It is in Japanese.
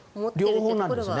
両方なんですね。